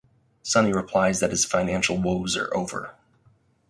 Sunny replies that his financial woes are over.